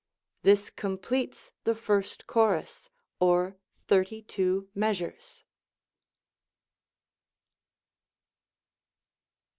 This completes the first chorus, or 32 measures.